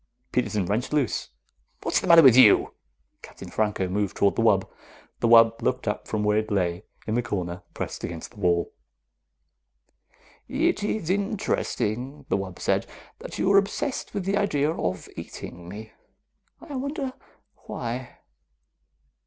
Peterson wrenched loose. "What's the matter with you?" Captain Franco moved toward the wub. The wub looked up from where it lay in the corner, pressed against the wall. "It is interesting," the wub said, "that you are obsessed with the idea of eating me. I wonder why."